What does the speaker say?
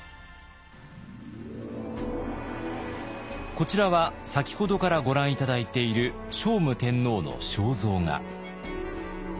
こちらは先ほどからご覧頂いている聖武天皇の肖像画。